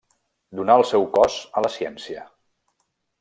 Donà el seu cos a la ciència.